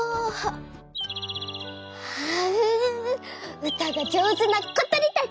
「うたがじょうずなことりたち！